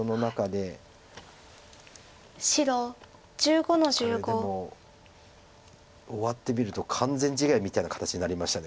でも終わってみると完全試合みたいな形になりました。